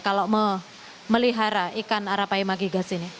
kalau memelihara ikan arapaima gigas ini